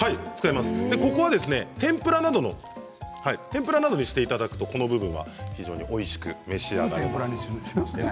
天ぷらなどにしていただくとこの部分は非常においしく召し上がれます。